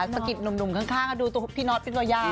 สกิดหนุ่มข้างดูพี่นอธเป็นตัวยาก